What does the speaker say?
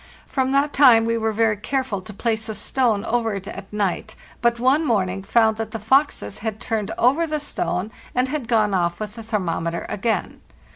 From that time we were very careful to place a stone over it at night, but one morning found that the foxes had turned over the stone, and had gone off with the thermometer again.